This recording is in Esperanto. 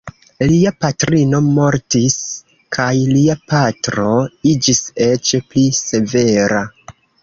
Lia patrino mortis kaj lia patro iĝis eĉ pli severa.